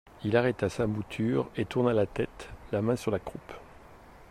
Il arrêta sa monture, et tourna la tête, la main sur la croupe.